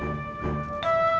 kamu mau ke rumah